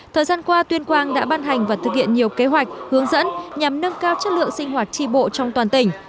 thời gian qua tuyên quang đã ban hành và thực hiện nhiều kế hoạch hướng dẫn nhằm nâng cao chất lượng sinh hoạt tri bộ trong toàn tỉnh